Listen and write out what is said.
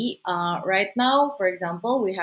sekarang misalnya kita memiliki